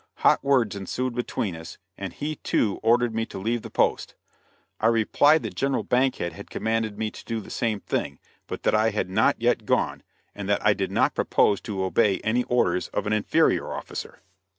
Hot words ensued between us, and he too ordered me to leave the post. I replied that General Bankhead had commanded me to do the same thing, but that I had not yet gone; and that I did not propose to obey any orders of an inferior officer.